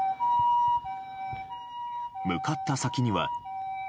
向かった先には。